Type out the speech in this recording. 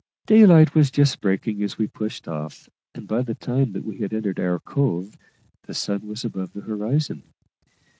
Daylight was just breaking as we pushed off, and by the time that we entered our cove the sun was above the horizon.